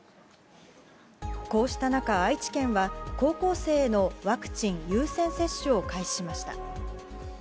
こうした中、愛知県は高校生へのワクチン優先接種を開始しました。